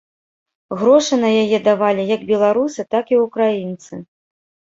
Грошы на яе давалі як беларусы, так і ўкраінцы.